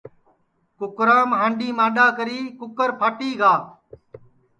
کُکرام ہانڈؔی مانڈؔا کری کُکر پھٹی گا